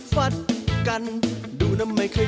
ฟัดกัน